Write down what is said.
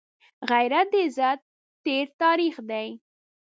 غیرت د عزت تېر تاریخ دی